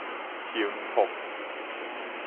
興福